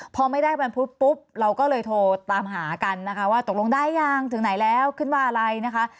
พอไม่ได้วันพุธปุ๊บเราก็เลยโทรตามหากันนะคะว่าตกลงได้ยังถึงไหนแล้วขึ้นมาอะไรนะคะ